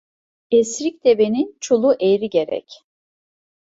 Esrik devenin çulu eğri gerek.